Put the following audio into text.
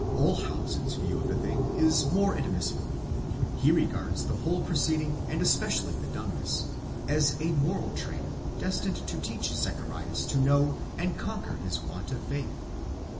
Olshausen's view of the thing is more admissible. He regards the whole proceeding, and especially the dumbness, as a moral training destined to teach Zacharias to know and conquer his want of faith.